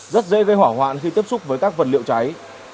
rất dễ gây hỏa hoạn khi tiếp xúc với các vật liệu cháy